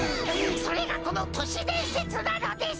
それがこの都市伝説なのです！